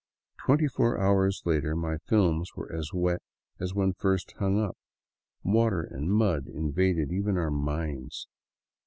Twenty four hours later my films were as wet as when first hung up. Water and mud invaded even our minds.